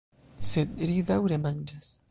Sed ri daŭre manĝas.